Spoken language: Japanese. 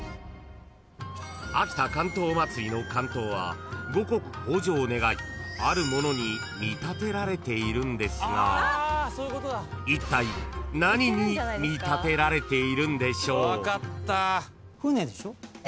［秋田竿燈まつりの竿燈は五穀豊穣を願いあるものに見立てられているんですがいったい何に見立てられているんでしょう？］